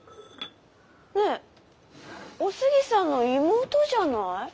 ねえお杉さんの妹じゃない？